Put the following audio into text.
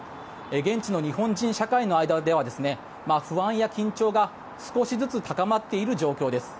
現地の日本人社会の間では不安や緊張が少しずつ高まっている状況です。